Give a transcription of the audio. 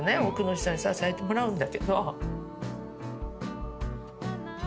多くの人に支えてもらうんだけど。